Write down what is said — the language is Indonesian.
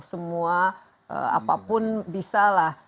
semua apapun bisalah